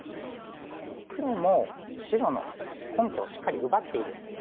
この黒も白の根拠をしっかり奪っているんですね。